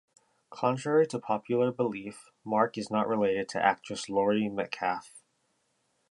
Contrary to popular belief, Mark is not related to actress Laurie Metcalf.